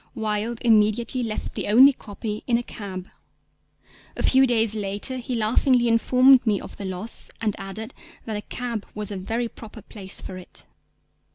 Wilde immediately left the only copy in a cab. A few days later he laughingly informed me of the loss, and added that a cab was a very proper place for it.